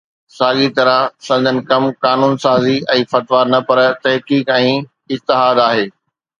ساڳيءَ طرح سندن ڪم قانون سازي ۽ فتويٰ نه پر تحقيق ۽ اجتهاد آهي